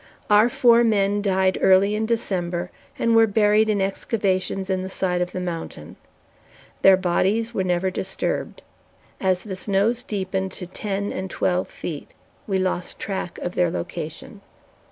Our four men died early in December and were buried in excavations in the side of the mountain. Their bodies were never disturbed. As the snows deepened to ten and twelve feet, we lost track of their location.